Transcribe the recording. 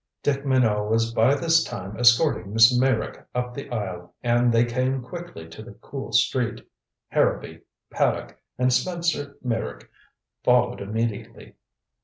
Dick Minot was by this time escorting Miss Meyrick up the aisle, and they came quickly to the cool street. Harrowby, Paddock and Spencer Meyrick followed immediately.